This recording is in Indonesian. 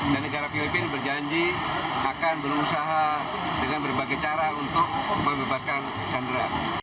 dan negara filipina berjanji akan berusaha dengan berbagai cara untuk membebaskan sandra